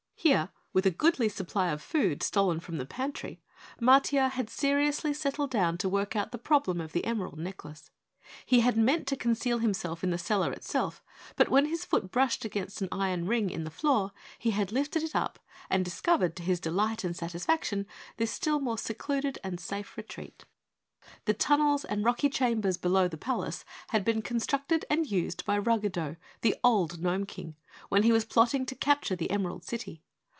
Here, with a goodly supply of food, stolen from the pantry, Matiah had seriously settled down to work out the problem of the emerald necklace. He had meant to conceal himself in the cellar itself, but when his foot brushed against an iron ring in the floor, he had lifted it up and discovered to his delight and satisfaction this still more secluded and safe retreat. The tunnels and rocky chambers below the Palace had been constructed and used by Ruggedo, the old Gnome King, when he was plotting to capture the Emerald City.